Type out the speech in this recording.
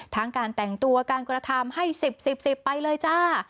ทั้งการแต่งตัวการกระทำให้สิบไปเลยจ้า